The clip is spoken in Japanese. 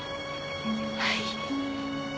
はい。